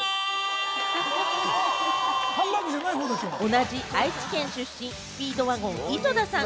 同じ、愛知県出身スピードワゴン・井戸田さん。